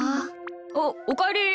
あっおかえり。